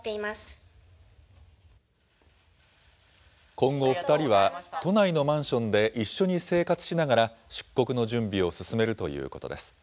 今後２人は、都内のマンションで一緒に生活しながら、出国の準備を進めるということです。